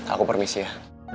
aku permisi ya